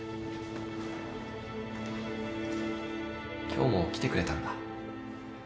今日も来てくれたんだ。